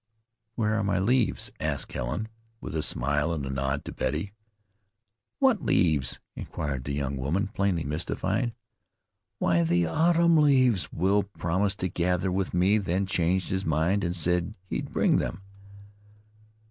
"Where are my leaves?" asked Helen, with a smile and a nod to Betty. "What leaves?" inquired that young woman, plainly mystified. "Why, the autumn leaves Will promised to gather with me, then changed his mind, and said he'd bring them."